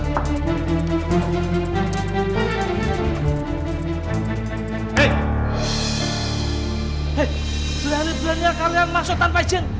hei beliannya beliannya kalian masuk tanpa izin